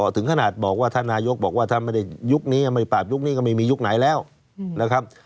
ถึงขนาดบอกว่าท่านนายกบอกว่าถ้าไม่ได้ยุคนี้ไม่ปราบยุคนี้ก็ไม่มียุคไหนแล้วนะครับ